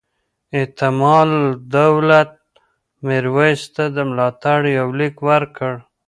اعتمادالدولة میرویس ته د ملاتړ یو لیک ورکړ.